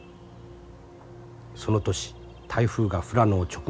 その年台風が富良野を直撃した。